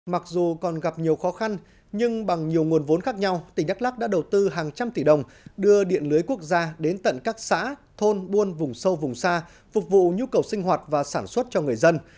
mặc dù còn gặp nhiều khó khăn nhưng bằng nhiều nguồn vốn khác nhau tỉnh đắk lắc đã đầu tư hàng trăm tỷ đồng đưa điện lưới quốc gia đến tận các xã thôn buôn vùng sâu vùng xa phục vụ nhu cầu sinh hoạt và sản xuất cho người dân